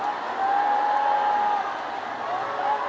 วัฒนิยาพุทธ